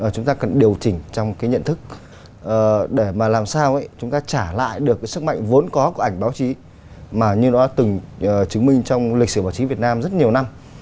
chúng ta cần điều chỉnh trong cái nhận thức để mà làm sao chúng ta trả lại được cái sức mạnh vốn có của ảnh báo chí mà như nó đã từng chứng minh trong lịch sử báo chí việt nam rất nhiều năm